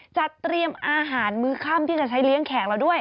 จัดเตรียมอาหารมื้อค่ำที่จะใช้เลี้ยงแขกเราด้วย